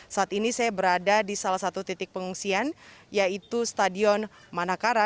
saat ini saya berada di salah satu titik pengungsian yaitu stadion manakara